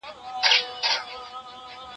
د دېوال شا ته پراته دي څو غيرانه